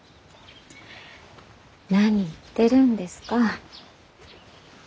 何言ってるんですか？